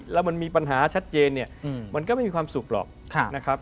แล้วมันมีปัญหาชัดเจนเนี่ยมันก็ไม่มีความสุขหรอกนะครับ